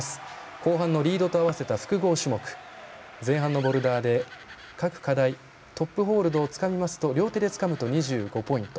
後半のリードと合わせた複合種目前半のボルダーで各課題トップホールドを両手でつかみますと２５ポイント。